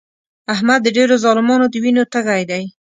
احمد د ډېرو ظالمانو د وینو تږی دی.